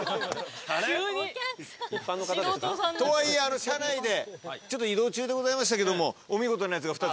とはいえ車内で移動中でございましたけどもお見事なやつが２つ。